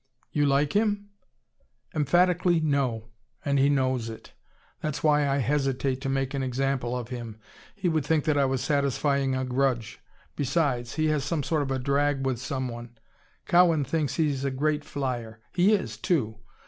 "You like him?" "Emphatically, NO! And he knows it. That's why I hesitate to make an example of him. He would think that I was satisfying a grudge. Besides, he has some sort of a drag with someone. Cowan thinks he is a great flyer. He is, too.